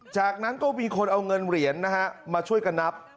จากนั้นก็มีคนเอาเงินเหรียญนะฮะมาช่วยกันนับ